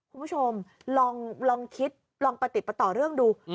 คุณผู้ชมลองคิดลองประติดประต่อเรื่องดู